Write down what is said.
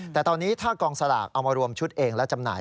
แต่ตอนนี้ถ้ากองสลากเอามารวมชุดเองและจำหน่าย